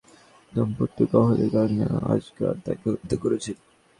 প্রাথমিকভাবে ধারণা করা হচ্ছে, দাম্পত্য কলহের কারণে আজগর তাঁকে হত্যা করেছেন।